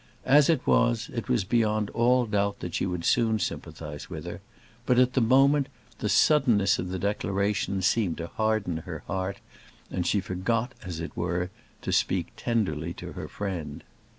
As it was, it was beyond all doubt that she would soon sympathise with her. But, at the moment, the suddenness of the declaration seemed to harden her heart, and she forgot, as it were, to speak tenderly to her friend.